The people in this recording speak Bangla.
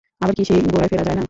আবার কি সেই গোড়ায় ফেরা যায় না?